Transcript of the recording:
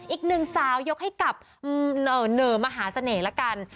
อีกหนึ่งสาวยกให้กับเหน่อมหาเสน่ห์ละกัน